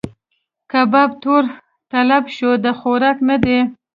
کباب تور تلب شو؛ د خوراک نه دی.